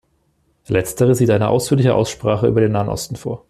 Letztere sieht eine ausführliche Aussprache über den Nahen Osten vor.